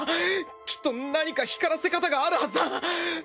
きっとなにか光らせ方があるはずだ！